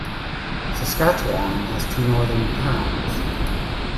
Saskatchewan has two northern towns.